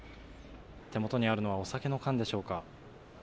手元にあるのはお酒の缶でしょうか。